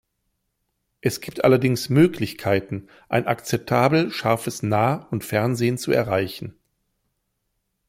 Es gibt allerdings Möglichkeiten, ein akzeptabel scharfes Nah- und Fernsehen zu erreichen.